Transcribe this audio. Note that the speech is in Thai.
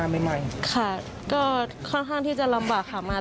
ครอบครัวก็ค่อนข้างที่เราก็ลำบากค่ะ